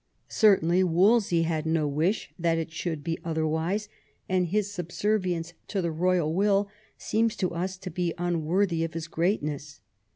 Certainly Wolsey had no wish that it should be otherwise, and his subservience to the royal will seems to us to be unworthy of his greatness.